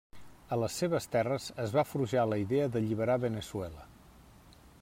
A les seves terres es va forjar la idea d'alliberar Veneçuela.